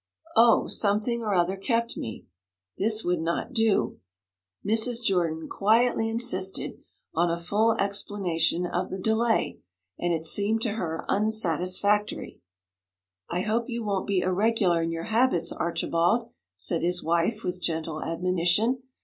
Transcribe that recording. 'Oh something or other kept me.' This would not do. Mrs. Jordan quietly insisted on a full explanation of the delay, and it seemed to her unsatisfactory. 'I hope you won't be irregular in your habits, Archibald,' said his wife, with gentle admonition.